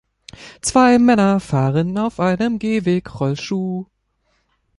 Zwei Männer fahren auf einem Gehweg Rollschuh.